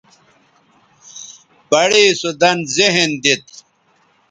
پڑےسو دَن ذہن دیت